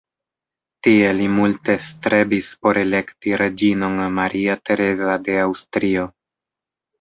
Tie li multe strebis por elekti reĝinon Maria Tereza de Aŭstrio.